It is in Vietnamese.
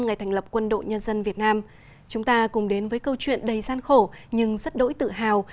ngày thành lập quân đội nhân dân việt nam chúng ta cùng đến với câu chuyện đầy gian khổ nhưng rất đỗi tự hào